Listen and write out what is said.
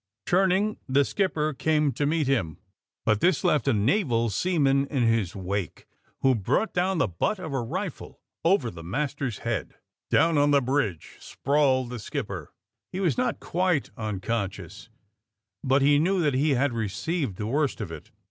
Turning, the skipper came to meet him, but this left a naval seaman in his wake, who brought down the butt of a rifle over the mas ter 's head. Down on the bridge sprawled the skipper. He 212 THE SUBMAEINE BOYS was not quite nnconscious, but he knew that he had received the worst of it.